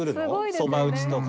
そば打ちとか。